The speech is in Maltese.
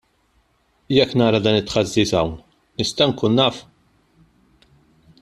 Jekk nara dan it-taħżiż hawn, nista' nkun naf?